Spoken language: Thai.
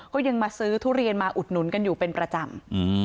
ก็ยังมาซื้อทุเรียนมาอุดหนุนกันอยู่เป็นประจำ